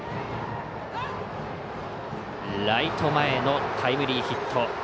ライト前のタイムリーヒット。